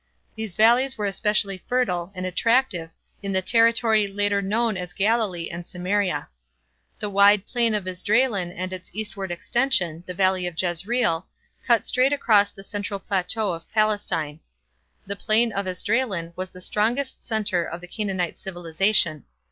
These valleys were especially fertile and attractive in the territory later known as Galilee and Samaria. The wide Plain of Esdraelon and its eastward extension, the Valley of Jezreel, cut straight across the central plateau of Palestine. The Plain of Esdraelon was the strongest centre of the Canaanite civilization.